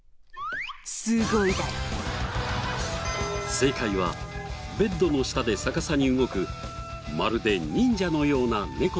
正解はベッドの下で逆さに動くまるで忍者のような猫の足音でした。